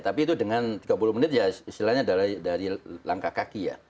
tapi itu dengan tiga puluh menit ya istilahnya dari langkah kaki ya